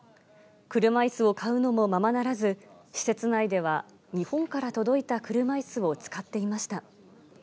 車いすを買うのもままならず、施設内では、日本から届いた車いすを使っていました。